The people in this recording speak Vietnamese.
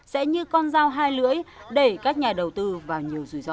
sẽ như con dao hai lưỡi đẩy các nhà đầu tư vào nhiều rủi ro